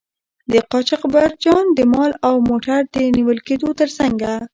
د قاچاقبرجان د مال او موټر د نیول کیدو تر څنګه.